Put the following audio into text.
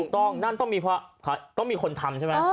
ต้องนั่นต้องมีเขาต้องมีคนทำใช่มะ